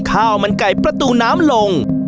ข้าวมันไก่ประตูน้ำลง